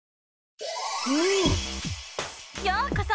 ようこそ！